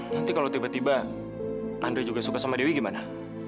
nanti kalau tiba tiba andre juga suka sama dewi gimana